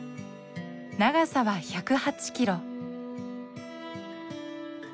長さは１０８キロ。